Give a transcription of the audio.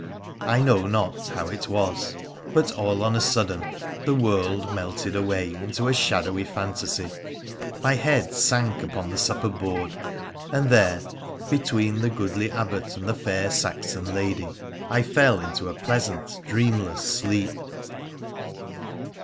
I know not how it was, but all on a sudden the world melted away into a shadowy fantasy, my head sank upon the supper board, and there — between the goodly Abbot and the fair Saxon lady — I fell into a pleasant, dreamless sleep.